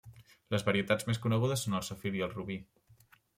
Les varietats més conegudes són el safir i el robí.